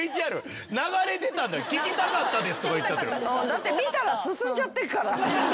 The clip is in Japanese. だって見たら進んじゃってるから。